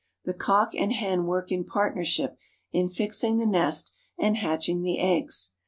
The cock and hen work in partnership in fixing the nest and hatching the eggs.